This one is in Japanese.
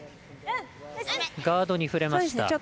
ガードに触れました。